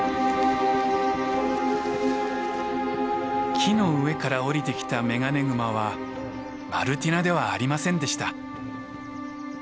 木の上から下りてきたメガネグマはマルティナではありませんでした。